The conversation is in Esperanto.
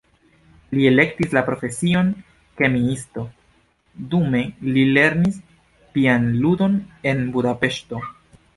Li elektis la profesion kemiisto, dume li lernis pianludon en Budapeŝto.